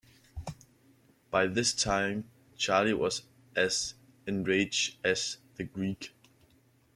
By this time Charley was as enraged as the Greek.